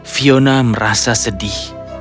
fiona merasa sedih